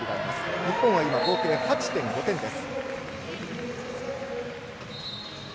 日本は今、合計８．５点です。